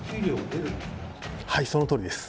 はいそのとおりです。